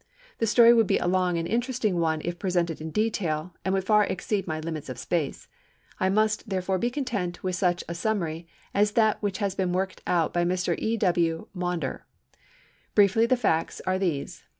The story would be a long and interesting one if presented in detail, and would far exceed my limits of space. I must, therefore, be content with such a summary as that which has been worked out by Mr. E. W. Maunder. Briefly the facts are these.